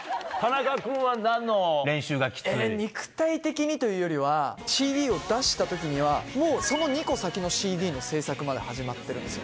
「肉体的に」というよりはＣＤを出した時にはもうその２個先のＣＤの制作まで始まってるんですよ。